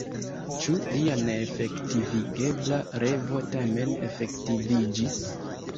Ĉu lia neefektivigebla revo tamen efektiviĝis?